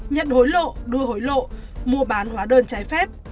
nhận hối lộ đưa hối lộ mua bán hóa đơn trái phép